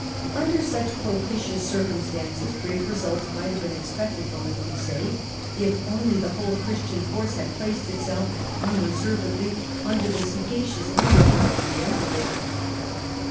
Under such propitious circumstances great results might have been expected from the Crusade if only the whole Christian force had placed itself unreservedly under the sagacious leadership of the Emperor.